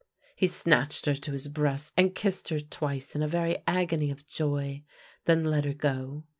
He snatched her to his breast and kissed her twice in a very agony of joy, then let her go.